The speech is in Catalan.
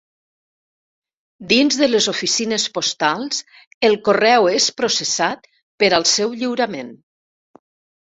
Dins de les oficines postals el correu és processat per al seu lliurament.